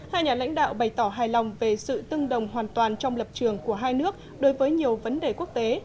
hai nhà lãnh đạo bày tỏ hài lòng về sự tương đồng hoàn toàn trong lập trường của hai nước đối với nhiều vấn đề quốc tế